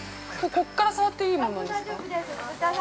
◆こっから触っていいものなんですか。